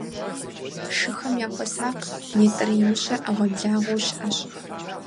- Шыхэм яхуэсакъ, нетӀрей мыщэр Ӏэгъуэблагъэу щыӀэщ.